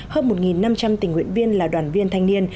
hơn một năm trăm linh tình nguyện viên là đoàn viên thanh niên